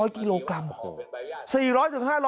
๔๐๐๕๐๐กิโลกรัม